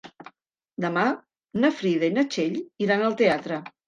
Demà na Frida i na Txell iran al teatre.